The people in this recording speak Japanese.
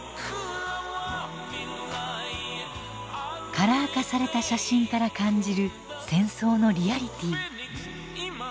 カラー化された写真から感じる戦争のリアリティー。